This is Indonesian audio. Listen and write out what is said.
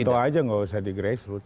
contoh aja nggak usah di grassroots